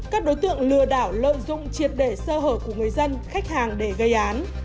các đối tượng lừa đảo lợi dụng triệt để sơ hở của người dân khách hàng để gây án